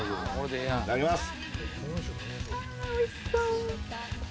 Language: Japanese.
いただきます。